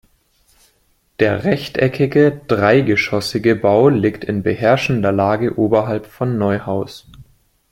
Der rechteckige, dreigeschoßige Bau liegt in beherrschender Lage oberhalb von Neuhaus.